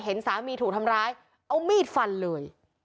เห็นสามีถูกทำร้ายเอามีดฟันเลย